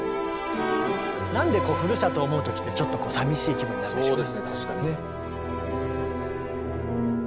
なんでふるさとを思う時ってちょっとさみしい気分になるんでしょうね。